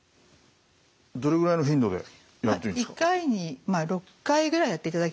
どれぐらいの頻度でやっていいんですか？